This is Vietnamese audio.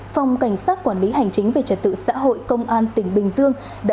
phòng cảnh sát quản lý hành chính về trật tự xã hội công an tỉnh bình dương